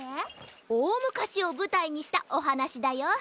おおむかしをぶたいにしたおはなしだよ。